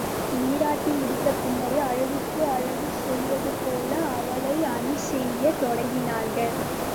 நீராட்டி முடிந்த பின்னர், அழகுக்கு அழகு செய்வதேபோல அவளை அணி செய்யத் தொடங்கினார்கள்.